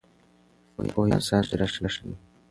پوهه انسان ته ریښتیا ښیي.